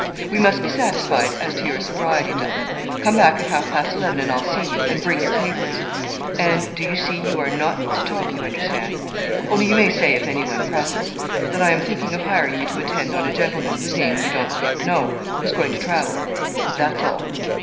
'We must be satisfied as to your sobriety, Dutton. Come back at half past eleven and I'll see you, and bring your papers; and, do you see, you are not to talk, you understand; only you may say, if anyone presses, that I am thinking of hiring you to attend on a gentleman, whose name you don't yet know, who's going to travel. That's all.'